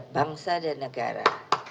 bangsa dan negara